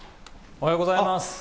おはようございます。